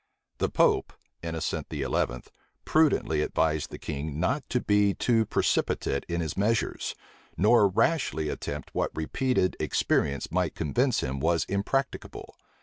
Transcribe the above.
The pope, Innocent XI., prudently advised the king not to be too precipitate in his measures, nor rashly attempt what repeated experience might convince him was impracticable.